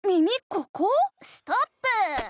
ここ⁉ストップー！